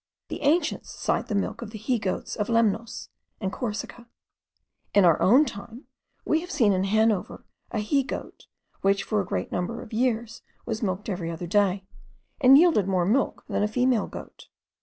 The ancients cite the milk of the he goats of Lemnos and Corsica. In our own time, we have seen in Hanover, a he goat, which for a great number of years was milked every other day, and yielded more milk than a female goat.